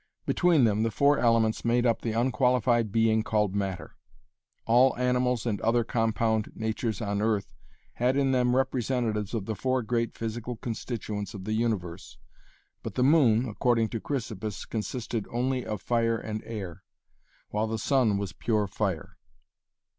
Between them, the four elements made up the unqualified being called Matter. All animals and other compound natures on earth had in them representatives of the four great physical constituents of the universe, but the moon, according to Chrysippus, consisted only of fire and air, while the sun was pure fire.